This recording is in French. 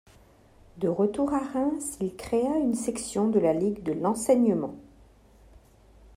De retour à Reims, il créa une section de la Ligue de l'enseignement.